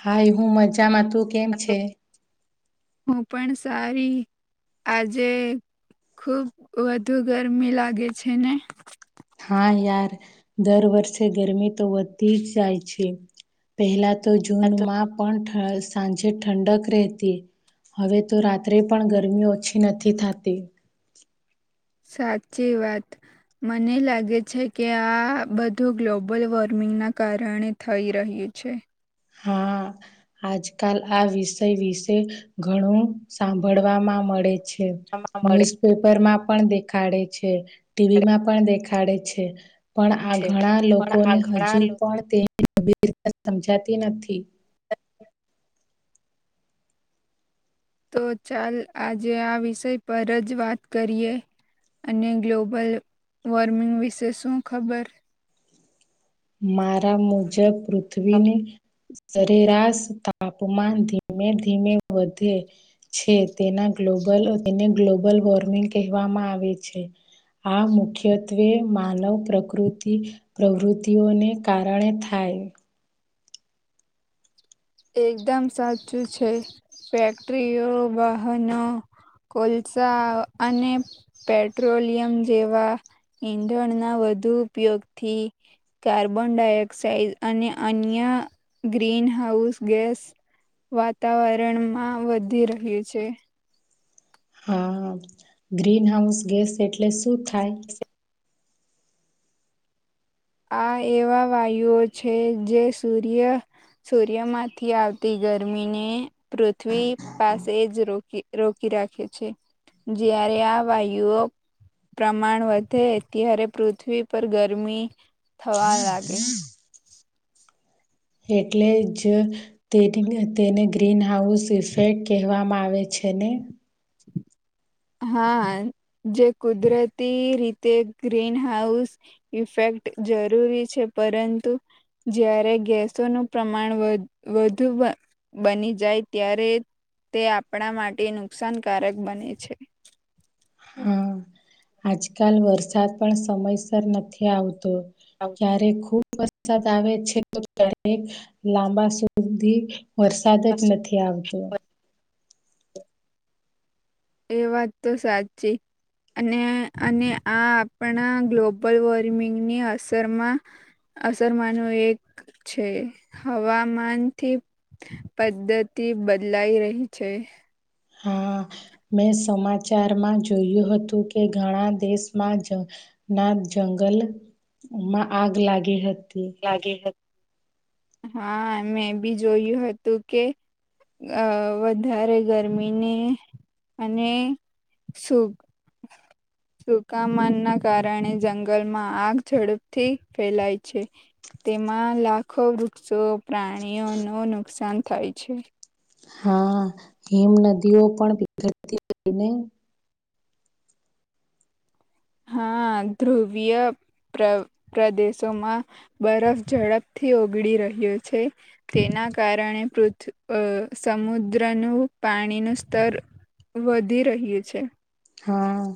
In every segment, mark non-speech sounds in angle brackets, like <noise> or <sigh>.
High હું મજામાં તું કેમ છે. હું પણ સારી આજે. ખુબ વધુ ગરમી લાગે છે ને. હા યાર દર વર્ષે ગરમી તો વધતી જ જાય છે. પહેલાં તો જૂનમાં પણ ઠ સાંજે ઠંડક રહેતી. હવે તો રાત્રે પણ ગરમી ઓછી નથી થતી. સાચી વાત. મને લાગે છે કે આ બધું ગ્લોબલ વોર્મિંગના કારણે થઈ રહ્યું છે. હા. આજકાલ આ વિષય વિશે ઘણું સાંભળવા માં મળે છે. <unintelligible> ન્યુઝ પેપરમાં પણ દેખાડે છે ટીવી માં પણ દેખા દેખાડે છે પણ આ ઘણા લોકોને હજુ પણ <unintelligible> સમજાતી તિ નથી. તો ચાલ આજે આ વિષય પર જ વાત કરીએ. અને ગ્લોબલ વોર્મિંગ વિશે શું ખબર મારા મુજબ પૃથ્વીની સરેરાશ તાપમાન ધીમે ધીમે વધે છે તેના ગ્લોબલ તેને ગ્લોબલ વોર્મિંગ કહેવામાં આવે છે. આ મુખ્યત્વે માનવ પ્રકૃતિ પ્રવૃતિ તે ઓને કારણે થાય. તે એકદમ સાચું છે ફેક્ટરીઓ વાહનો કોલસા ઓ અને પેટ્રોલિયમ જેવા ઈંધણના વધુ ઉપયોગથી કાર્બન ડાયોક્સાઇડ અને અન્ય ગ્રીન હાઉસ ગેસ વાતાવરણમાં વધી રહ્યું છે. હા ગ્રીન હાઉસ ગેસ એટલે શું થાય. આ એવા વાયુઓ છે જે સૂર્ય સૂર્યમાંથી આવતી ગરમીને પૃથ્વી પાસે જ રોકી રોકી રાખે છે. જ્યારે આ વાયુ ઓ પ્રમાણ વધે ત્યારે પૃથ્વી પર ગરમી થવા લાગે. એટલે જ તે તેને ગ્રીન હાઉસ ઇફેક્ટ કહેવામાં આવે છે ને. <inaudible> હા જે કુદરતી રીતે ગ્રીન હાઉસ ઇફેક્ટ જરૂરી છે પરંતુ જયારે ગેસોનુ પ્રમાણ વ વધુ વા બની જાય ત્યારે તે આપણા માટે નુકસાનકારક બને છે. હા. આજકાલ વરસાદ પણ સમયસર નથી આવતો ક્યારે ખુબ વરસાદ આવે છે તો ત્યારે લાંબા સુધી વરસા વરસાદ જ નથી આવતો. એ વાત તો સાચી. અને અને આ આપણા ગ્લોબલ વોર્મિંગની અસરમાં અસરમાંનું એક છે હવામાન થી પદ્ધતિ બદલાઈ રહી છે. હા, <inaudible> મેં સમાચારમાં જોયું હતું કે ઘણા દેશમાં જ ના જંગલ માં આગ લાગી હતી. હા મે બી જોયું હતું કે અ વધારે ગરમીને અને સૂખ સુકામાનના કારણે જંગલમાં આગ ઝડપથી ફેલાય છે. તેમાં લાખો વૃક્ષો પ્રાણીઓ નો નુકસાન થાય છે હા હિમ નદીઓ પણ <unintelligible> હા ધ્રુવ્ય પ્ર પ્રદેશોમાં બરફ ઝડપથી ઓગળી રહ્યો છે તેના કારણે પૃથ્ સમુદ્રનું પાણીનું સ્તર વધી રહ્યું છે હા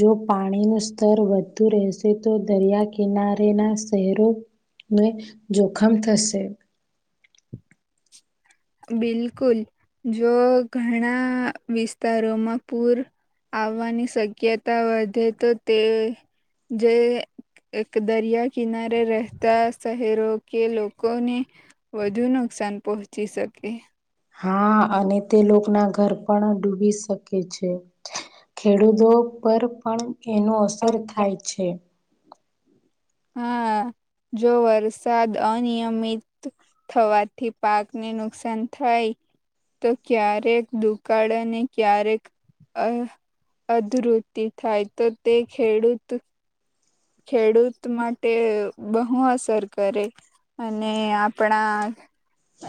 જો પાણીનું સ્તર વધુ રહેશે તો દરિયા કિનારે ના શહેરો ને જોખમ થશે બિલકુલ જો ઘણા વિસ્તારોમાં પૂર આવવાની શક્યતા વધે તો તે જે એક દરિયા કિનારે રહેતા શહેરો કે લોકોને વધુ નુકસાન પહોંચી શકે હા અને તે લોકો ના ઘર પણ ડૂબી શકે છે. ખેડૂતો પર પણ એનું અસર થાય છે. હા જો વરસાદ અનિયમિત થવાથી પાકને નુકસાન થાય તો ક્યારેક દુકાળ અને ક્યારેક અ અધરુતિ થાય તો તે ખેડૂત ખેડૂત માટે બહુ અસર કરે અને આપણા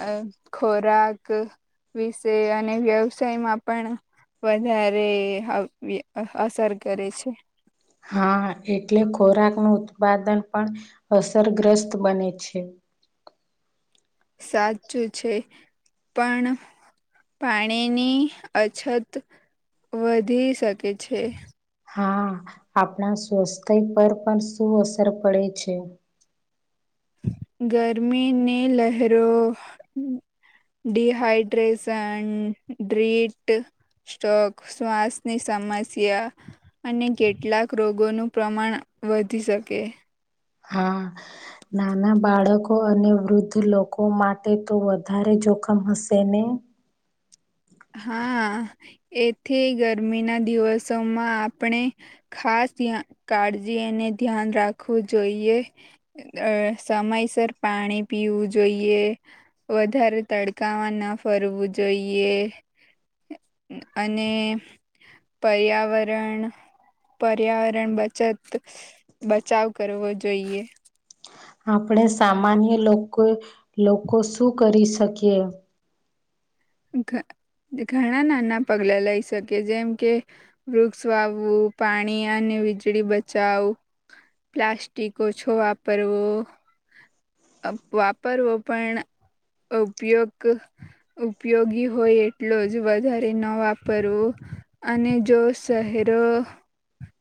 અ ખોરાક વિશે અને વ્યવસાયમાં પણ વધારે અસર કરે છે. હા એટલે ખોરાક નો ઉત્પાદન પણ અસરગ્રસ્ત બને છે. સાચું છે પણ પાણીની અછત વધી શકે છે. હા આપણા સ્વસ્થ્ય પર પણ શું અસર પડે છે. ગરમીની લહેરો ડીહૈડ્રેસન્ડ ડ્રીટ સ્ટોક શ્વાસની સમસ્યા અને કેટલાક રોગોનું પ્રમાણ વધી શકે હા નાના બાળકો અને વૃદ્ધ લોકો માટે તો વધારે જોખમ હશે ને હા એથી ગરમી ના દિવસોમાં આપણે ખાસ કાળજીને ધ્યાન રાખવું જોઈએ અ સમયસર પાણી પીવું જોઈએ વધારે તડકામાં ન ફરવું જોઈએ અને પર્યાવરણ પર્યાવરણ બચત બચાવ કરવો જોઈએ આપણે સામાન્ય લોકો લોકો શું કરી શકીએ ઘણા નાના પગલા લઈ શકે જેમ કે વૃક્ષ વાવવું પાણી અને વીજળી બચાવ પ્લાસ્ટિક ઓ છોવા વાપરવો વાપરવો પણ ઉપયોગ ઉપયોગી હોય એટલો જ વધારે ન વાપરવું અને જો શહેરો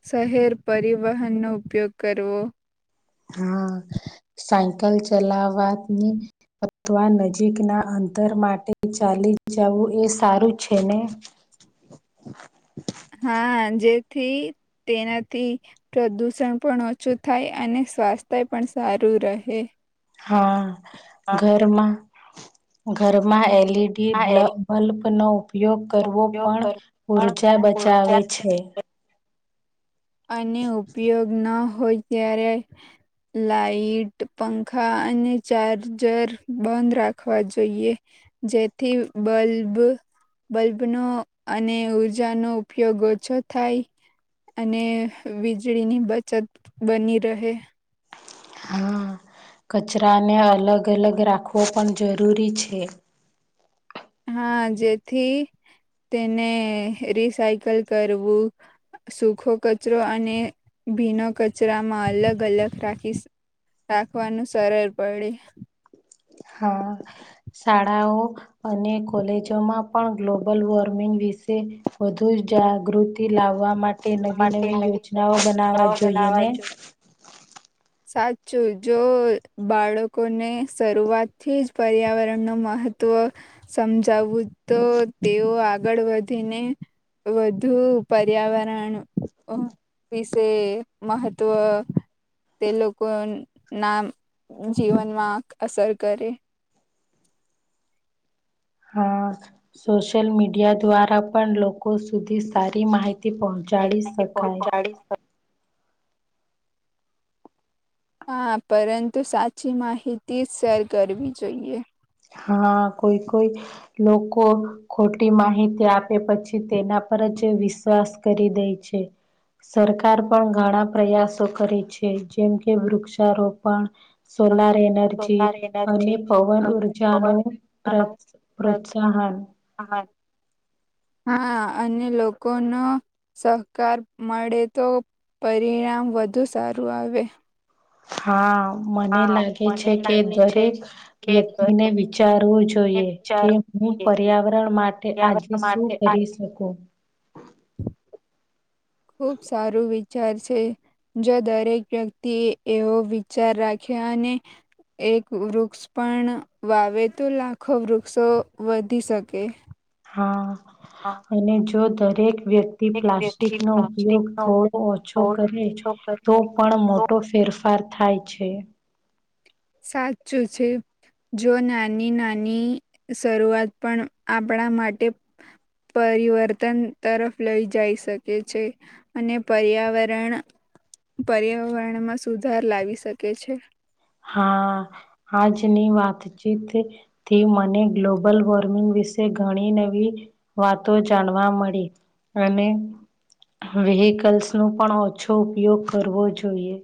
શહેર પરિવહનનો ઉપયોગ કરવો- હા સાયકલ ચલાવા ની અથવા નજીકના અંતર માટે ચાલી જવું એ સારું છે ને હા જેથી તેનાથી પ્રદુષણ પણ ઓછું થાય અને સ્વાસ્થ્ય પણ સારું રહે. હા ઘરમાં ઘરમાં એલઈડી બ્લ બલ્બ ઉપયોગ કરવો પણ ઉર્જા બચાવે છે. અને ઉપયોગ ન હોય ત્યારે લાાઈટ પંખા અને ચાર્જર બંધ રાખવા જોઈએ. જેથી બલ્બ. બલ્બનો અને ઉર્જાનો ઉપયોગ ઓછો થાય. અને વીજળીની બચત બની રહે. હા કચરાને અલગ અલગ રાખવો પણ જરૂરી છે. હા જેથી તેને રિસાયકલ કરવું સુખો કચરો અને ભીનો કચરામાં અલગ અલગ રાખી રાખવાનું સરળ પડે. હા શળાઓ અને કોલેજોમાં પણ ગ્લોબલ વોર્મિંગ વિશે વધુ જાગૃ તી લાવવા માટે નવી નવી યોજનાઓ બનાવા જોઈએ ને. <inaudible> સાચું જો બાળકોને શરૂઆત થી જ પર્યાવરણ નો મહ ત્વ સમજાવું તો તેઓ આગળ વધીને વધુ પર્યાવરણ અ વિશે મહત્ત્વ તે લોકો ના જીવનમાં અસર કરે હા સોશિયલ મીડિયા દ્વારા પણ લોકો સુધી સારી માહિતી પહો ચાડી શકાય. <inaudible> હા પરંતુ સાચી માહિતી જ શેર કરવી જોઈએ. હા કોઈ કોઈ લોકો ખોટી માહિતી આપે પછી તેના પર જ વિશ્વાસ કરી દે છે. સરકાર પણ ઘણા પ્રયાસો કરે છે જેમ કે વૃક્ષારોપણ સોલાર એનર્જી અને પવન ઉર જા નો પ્ર પ્રોત્સાહન હા હા અને લોકોનો સહકાર મળે તો પરિણામ વધુ સારું આવે. હા. મને લાગે છે કે દરેક વ્યક્તિને વિચારવું જોઈએ કે હું પર્યાવરણ માટે આજે શું કરી શકું. ખુબ સારું વિચાર છે. જો દરેક વ્યક્તિ એ એવો વિચાર રાખે અને. એક વૃક્ષ પણ વાવે તો લાખો વૃક્ષો વધી શકે. હા અને જો દરેક વ્ય ક્તિ પલાસ્ટિક નો ઉપયોગ થોડો ઓછો કરે તો પણ મોટો ફેર ફાર થાય છે. સાચું છે. જો નાની નાની શરૂઆત પણ આપણા માટે પરિવર્તન તરફ લઈ જઈ શકે છે. અને પર્યાવરણ પર્યાવરણમાં સુધાર લાવી શકે છે. હા આજની વાતચીત થી મને ગ્લોબલ વોર્મિંગ વિશે ઘણી નવી વાતો જાણવા મળી અને વેહીકલ્સ નું પણ ઓછો ઉપયોગ કરવો જોઈએ.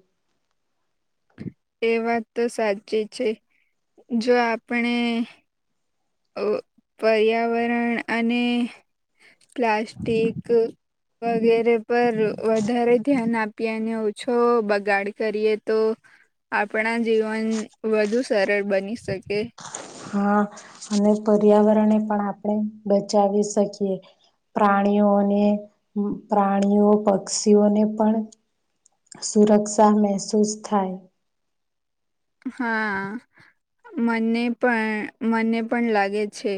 એ વાત તો સાચી છે જો આપણે અ પર્યાવરણ અને પ્લાસ્ટિક વગેરે પર વધારે ધ્યાન આપીએ અને ઓછો બગાડ કરીએ તો આપણા જીવન વધુ સરળ બની શકે. હા અને પર્યાવરણને પણ આપણે બચાવી શકીએ. પ્રાણીઓને પ્રાણીઓ પક્ષીઓને પણ સુરક્ષા મહેસૂસ થાય. હા, મને પણ મને પણ લાગે છે.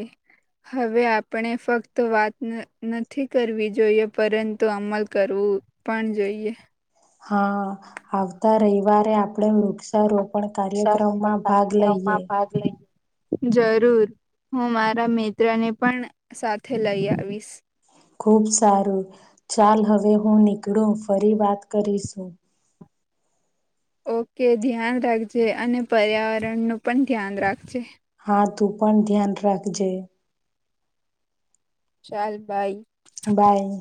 હવે આપણે ફક્ત વાત ન નથી કરવી જોઈએ, પરંતુ અમલ કરવું. પણ જઈએ. હા, આવતા રવિવારે આપડે વૃક્ષ રોપણ કાર્યક્રમમાં ભાગ લઈએ. જરૂર. હું મારા મિત્ર ને પણ સાથે લઈ આવીશ. ખુબ સારું. ચાલ હવે હું નીકળું, ફરી વાત કરીશું. ઓકે ધ્યાન રાખજે અને પર્યાવરણ નું પણ ધ્યાન રાખજે. હા, તું પણ ધ્યાન રાખજે. ચાલ, બાઈ. બાઈ.